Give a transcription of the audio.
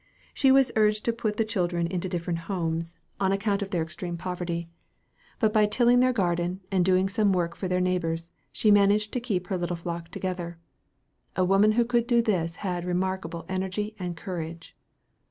She was urged to put the children into different homes, on account of their extreme poverty, but by tilling their garden, and doing some work for their neighbors, she managed to keep her little flock together. A woman who could do this had remarkable energy and courage.